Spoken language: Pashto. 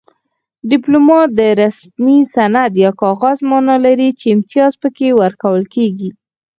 ډیپلوما د رسمي سند یا کاغذ مانا لري چې امتیاز پکې ورکول کیږي